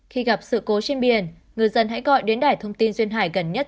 khi gặp sự cố trên biển ngư dân hãy gọi đến đài thông tin duyên hải gần nhất